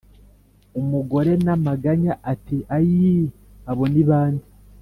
umugore namaganya ati"aiii abo nibande